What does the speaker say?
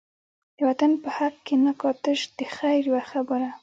د وطن په حق کی نه کا، تش دخیر یوه خبره